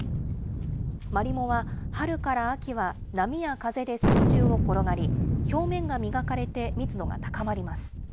マリモは春から秋は波や風で水中を転がり、表面が磨かれて、密度が高まります。